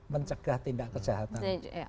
mencegah tindak kejahatan